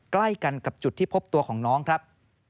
ใกล้กันกับจุดที่พบตัวของน้องครับ